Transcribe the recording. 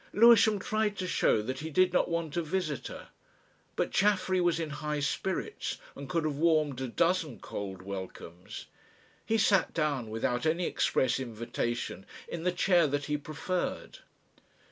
Lewisham tried to show that he did not want a visitor. But Chaffery was in high spirits, and could have warmed a dozen cold welcomes. He sat down without any express invitation in the chair that he preferred.